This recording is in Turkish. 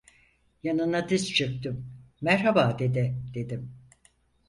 Yanına diz çöktüm: "Merhaba, dede!" dedim.